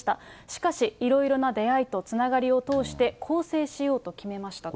しかし、いろいろな出会いとつながりを通して更生しようと決めました。